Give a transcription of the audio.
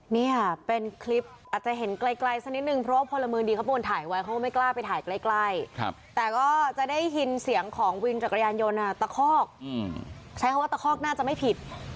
นี่ค่ะเป็นคลิปอาจจะเห็นไกลสักนิดนึงเพราะว่าพลเมืองดีเขาเป็นคนถ่ายไว้เขาก็ไม่กล้าไปถ่ายใกล้แต่ก็จะได้ยินเสียงของวินจักรยานยนต์ตะคอกใช้คำว่าตะคอกน่าจะไม่ผิด